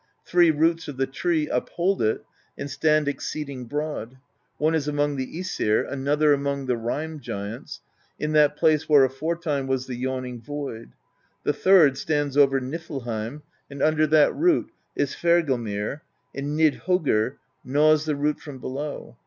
Three roots of the tree uphold it and stand exceeding broad: one is among the iEsir; another among the Rime Giants, in that place where aforetime was the Yawning Void; the third stands over Niflheim, and under that root is Hvergelmir, and Nidhoggr gnaws the root from below.